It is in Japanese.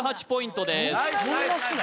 １８ポイントです